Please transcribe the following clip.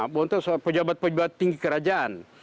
bonto adalah pejabat pejabat tinggi kerajaan